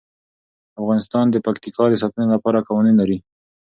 افغانستان د پکتیکا د ساتنې لپاره قوانین لري.